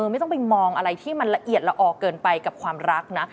ไม่ต้องไปมองอะไรที่มันละเอียดละออเกินไปกับความรักนะ